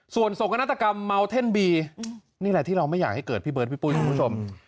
ส่วนโศกนาฏกรรมเมาเท่นบีนี่แหละที่เราไม่อยากให้เกิดพี่เบิร์ดพี่ปุ้ยคุณผู้ชม